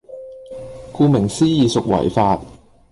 顧名思義屬違法